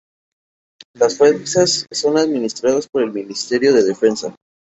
Las fuerzas son administradas por el ministerio de defensa.